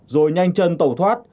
rồi nhanh chân tẩu thoát